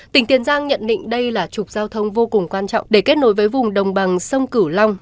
tỉnh tiền giang nhận định đây là trục giao thông vô cùng quan trọng để kết nối với vùng đồng bằng sông cửu long